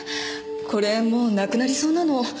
これもうなくなりそうなの。